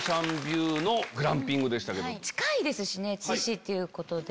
近いですしね子っていうことで。